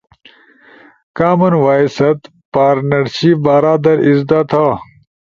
کامن وائس ست پارتنرشب بارا در اِزدا تھا